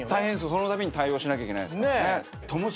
そのたびに対応しなきゃいけないですからね。